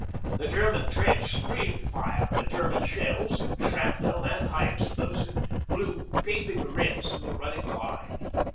The German trench streamed fire, the German shells shrapnel and high explosive blew gaping rents in the running line.